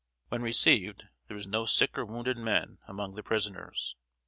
When received, there were no sick or wounded men among the prisoners.